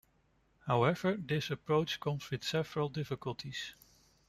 However, this approach comes with several difficulties.